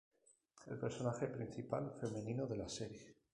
El personaje principal femenino de la serie.